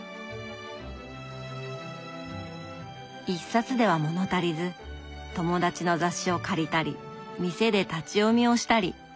一冊では物足りず友達の雑誌を借りたり店で立ち読みをしたり。